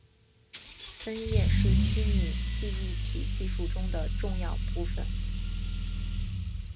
分页是虚拟记忆体技术中的重要部份。